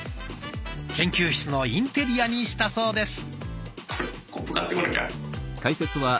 研究室のインテリアにしたそうです。